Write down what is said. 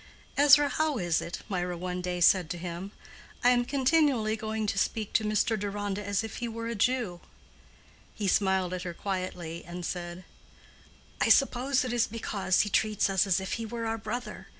"Ezra, how is it?" Mirah one day said to him—"I am continually going to speak to Mr. Deronda as if he were a Jew?" He smiled at her quietly, and said, "I suppose it is because he treats us as if he were our brother.